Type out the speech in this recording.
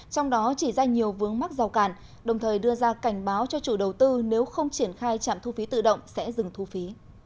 trong đó chỉ ra nhiều vướng mắc rào cản đồng thời đưa ra cảnh báo cho chủ đầu tư nếu không triển khai trạm thu phí tự động sẽ dừng thu phí